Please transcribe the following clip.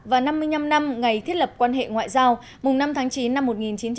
và năm mươi năm năm ngày thiết lập quan hệ ngoại giao mùng năm tháng chín năm một nghìn chín trăm bảy mươi